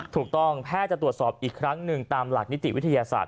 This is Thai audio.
แพทย์จะตรวจสอบอีกครั้งหนึ่งตามหลักนิติวิทยาศาสตร์